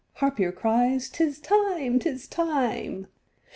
Harpier cries:—'Tis time, 'tis time.